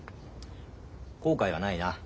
後悔はないな。